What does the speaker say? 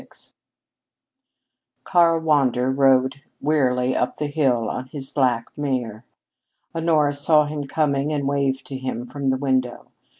XXVI Karl Wander rode wearily up the hill on his black mare. Honora saw him coming and waved to him from the window.